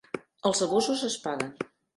Els abusos es paguen.